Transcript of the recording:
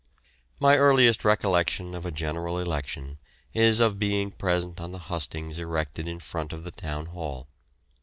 My earliest recollection of a general election is of being present on the hustings erected in front of the Town Hall.